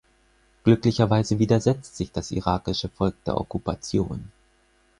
Glücklicherweise widersetzt sich das irakische Volk der Okkupation.